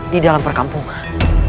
di dalam perkampungan